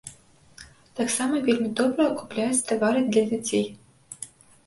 Таксама вельмі добра купляюць тавары для дзяцей.